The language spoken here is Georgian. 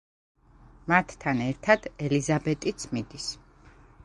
მათთან ერთად ელიზაბეტიც მიდის.